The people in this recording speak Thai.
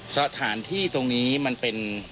สถานที่ตรงนี้มันเป็น